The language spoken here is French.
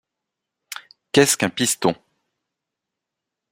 Qu’est-ce qu’un piston ?